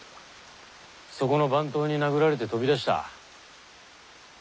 そこの番頭に殴られて飛び出した。